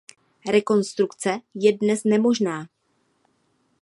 Rekonstrukce je dnes nemožná.